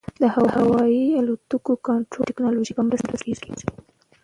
د هوايي الوتکو کنټرول د ټکنالوژۍ په مرسته کېږي.